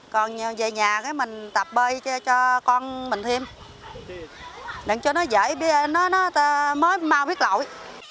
còn về nhà mình tập bơi cho con mình thêm để cho nó dễ bây giờ nó mới mau biết lỗi